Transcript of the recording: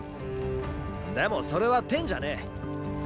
でもそれはテンじゃねぇ。